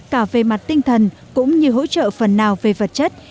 cả về mặt tinh thần cũng như hỗ trợ phần nào về vật chất